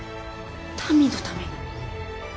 民のために。